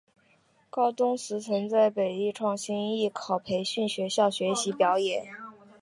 高中时曾在北艺创星艺考培训学校学习表演。